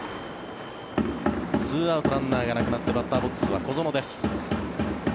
２アウト、ランナーがなくなってバッターボックスは小園です。